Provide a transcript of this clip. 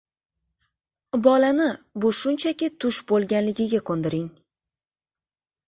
bolani bu shunchaki tush bo‘lganligiga ko‘ndiring.